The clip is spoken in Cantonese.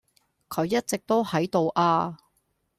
佢一直都喺度呀